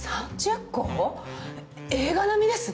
映画並みですね。